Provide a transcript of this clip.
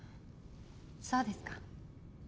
そうですか。